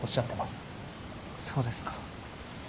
そうですか。